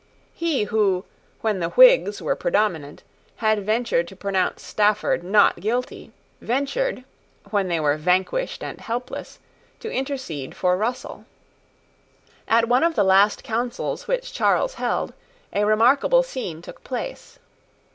He who, when the Whigs were predominant, had ventured to pronounce Stafford not guilty, ventured, when they were vanquished and helpless, to intercede for Russell. At one of the last Councils which Charles held a remarkable scene took place.